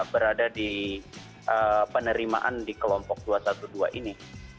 berada di penerimaan di kelompok dua ratus dua belas ini